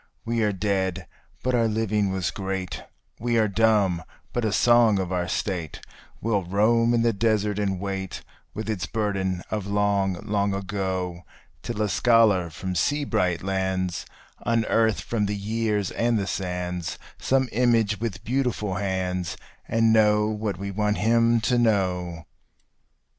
We are dead, but our living was great: we are dumb, but a song of our State Will roam in the desert and wait, with its burden of long, long ago, Till a scholar from sea bright lands unearth from the years and the sands Some image with beautiful hands, and know what we want him to know.